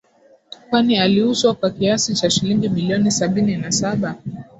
Kwani aliuzwa kwa kiasi cha shilingi milioni sabini na saba